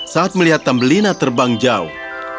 saat melihat tambelina terbang jauh